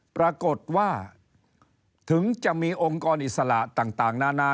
ปรากฏว่าถึงจะมีองค์กรอิสระต่างนานา